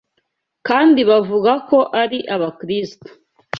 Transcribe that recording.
kandi bavuga ko ari Abakristo